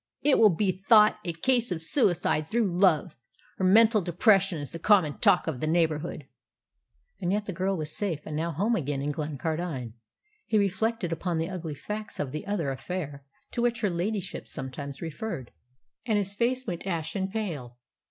"It will be thought a case of suicide through love. Her mental depression is the common talk of the neighbourhood." And yet the girl was safe and now home again at Glencardine! He reflected upon the ugly facts of "the other affair" to which her ladyship sometimes referred, and his face went ashen pale.